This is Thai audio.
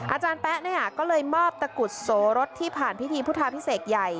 อาจารย์แป๊ะก็เลยมอบตะกุดโสรสที่ผ่านพิธีพุทธาพิเศษใหญ่